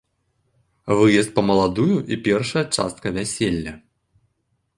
Выезд па маладую і першая частка вяселля.